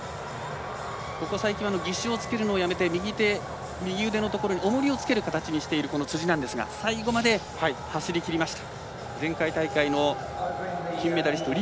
ここ最近は義手をつけるのをやめて右手右腕のところにおもりをつけるようにしている辻なんですが最後まで走りきりました。